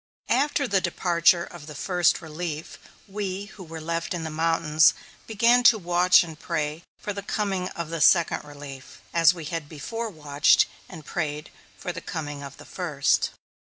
After the departure of the First Relief we who were left in the mountains began to watch and pray for the coming of the Second Relief, as we had before watched and prayed for the coming of the First.